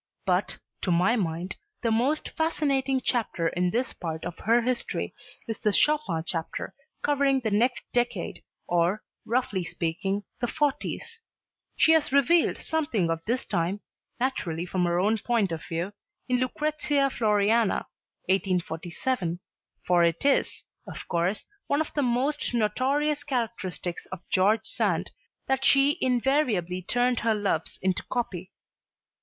But, to my mind, the most fascinating chapter in this part of her history is the Chopin chapter, covering the next decade, or, roughly speaking, the 'forties. She has revealed something of this time naturally from her own point of view in "Lucrezia Floriana" (1847). For it is, of course, one of the most notorious characteristics of George Sand that she invariably turned her loves into "copy."